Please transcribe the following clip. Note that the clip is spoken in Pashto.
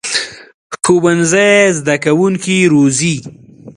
ښوونځی زده کوونکي روزي